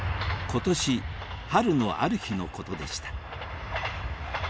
今年春のある日のことでした